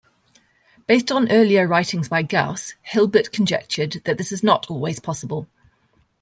Based on earlier writings by Gauss, Hilbert conjectured that this is not always possible.